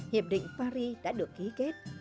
hiệp định paris đã được ký kết